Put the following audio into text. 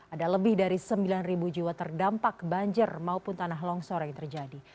ada lebih dari sembilan jiwa terdampak banjir maupun tanah longsor yang terjadi